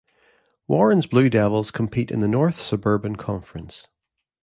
Warren's Blue Devils compete in the North Suburban Conference.